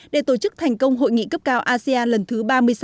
để tổ chức thành công hội nghị cấp cao asean lần thứ ba mươi sáu